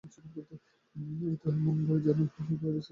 এমন ভয়, যেন সেই ভয়ে হৃৎস্পন্দন থেমে যায়।